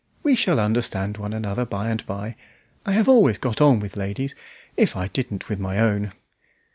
We shall understand one another by and by. I have always got on with ladies if I didn't with my own!"